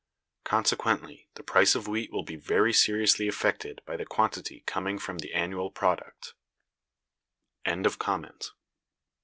Consequently the price of wheat will be very seriously affected by the quantity coming from the annual product.